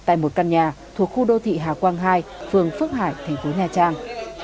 tại một căn nhà thuộc khu đô thị hà quang hai phường phước hải tp nha trang